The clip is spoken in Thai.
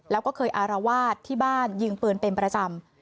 แล้วก็เคยอารวาสที่บ้านยิงปืนเป็นประจำ